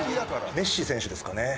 メッシ選手ですかね。